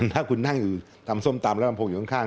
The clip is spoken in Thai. ถ้าคุณนั่งอยู่ตำส้มตำแล้วลำโพงอยู่ข้าง